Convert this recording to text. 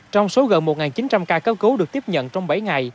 trong số gần một chín trăm linh ca cấp cứu được tiếp nhận trong bảy ngày